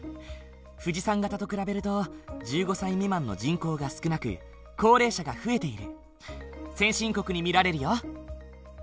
富士山型と比べると１５歳未満の人口が少なく高齢者が増えている。